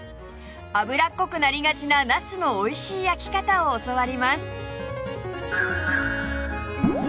油っこくなりがちななすのおいしい焼き方を教わります